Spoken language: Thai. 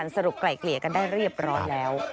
ไกล่เกลี่ยกันได้เรียบร้อยแล้ว